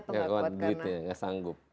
enggak kuat duitnya